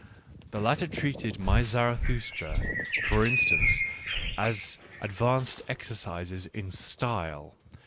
... The lattertreditedmyZaratAustrafor in stance^ " advanced exercises in style?